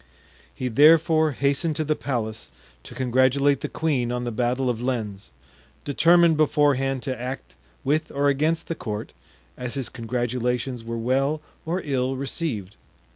He therefore hastened to the palace to congratulate the queen on the battle of Lens, determined beforehand to act with or against the court, as his congratulations were well or ill received.